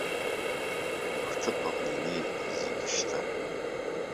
Рҭыԥ аҟны инеиит зегьы шьҭа.